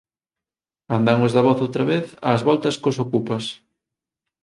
Andan os da Voz outra vez ás voltas cos ocupas